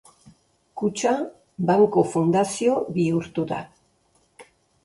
Kutxa banku fundazio bihurtu da.